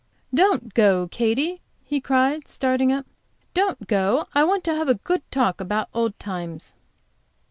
"Don't go, Katy!" he cried, starting up, "don't go. I want to have a good talk about old times."